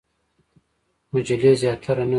مجلې زیاتره نه لري.